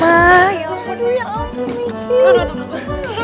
aduh ya ampun mici